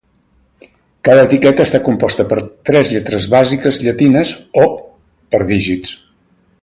Cada etiqueta està composta per lletres bàsiques llatines o per dígits.